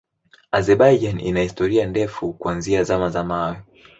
Azerbaijan ina historia ndefu kuanzia Zama za Mawe.